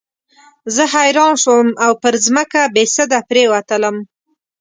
زه حیران شوم او پر مځکه بېسده پرېوتلم.